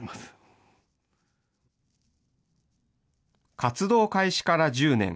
活動開始から１０年。